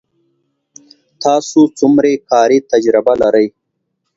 تاسو څومره کاري تجربه لرئ